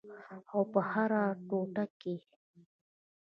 او په هره ټوټه کې یې